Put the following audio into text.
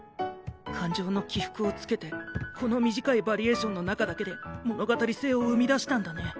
感情の起伏をつけてこの短いヴァリエーションの中だけで物語性を生み出したんだね。